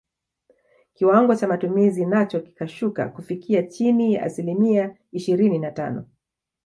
Kiwango cha matumizi nacho kikashuka kufikia chini ya asilimia ishirini na tano